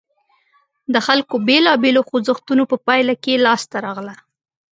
د خلکو بېلابېلو خوځښتونو په پایله کې لاسته راغله.